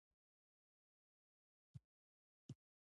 شهزاده اعلان وکړ چې مارش کوي.